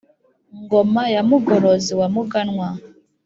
ngom ya mugorozi wa muganwa,